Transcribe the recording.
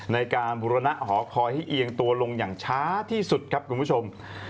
ในการบุรณะหอคอยให้เอียงตัวลงอย่างช้าที่สุดครับคุณผู้ชม